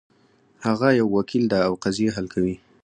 هغه یو وکیل ده او قضیې حل کوي